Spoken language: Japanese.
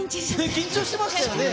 緊張してましたよね。